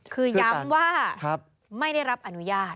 คือย้ำว่าไม่ได้รับอนุญาต